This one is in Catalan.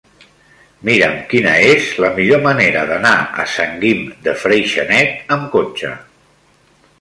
Mira'm quina és la millor manera d'anar a Sant Guim de Freixenet amb cotxe.